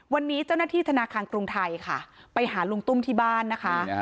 วันนี้เจ้าหน้าที่ธนาคารกรุงไทยค่ะไปหาลุงตุ้มที่บ้านนะคะ